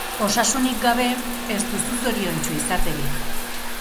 Osasunik gabe ez duzu zoriontsu izaterik.